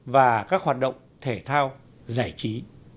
và các hoạt động thể thao giải trí